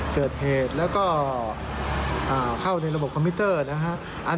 เกิดเหตุแล้วก็เข้าในระบบคอมพิวเตอร์นะฮะ